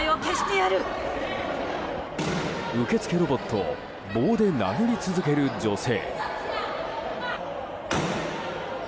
受付ロボットを棒で殴り続ける女性。